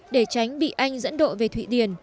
để tránh bị anh dẫn độ về thụy điền